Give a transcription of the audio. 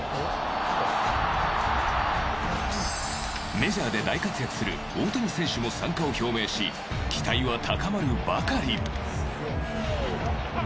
メジャーで大活躍する大谷選手も参加を表明し期待は高まるばかり。